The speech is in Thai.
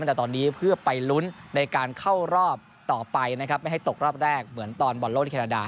จากตอนนี้เพื่อไปลุ้นในการเข้ารอบต่อไปนะครับไม่ให้ตกรอบแรกเหมือนตอนบอลโลกที่แคนาดา